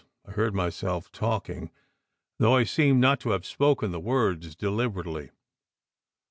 I heard myself talking, though I seemed not to have spoken the words deliberately.